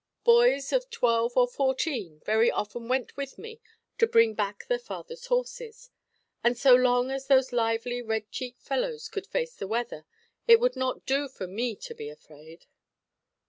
Boys of twelve or fourteen very often went with me to bring back their father's horses, and so long as those lively, red cheeked fellows could face the weather, it would not do for me to be afraid.